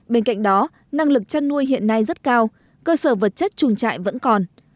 bên cạnh đó năng lực chăn nuôi hiện nay rất cao cơ sở vật chất trùng trại vẫn còn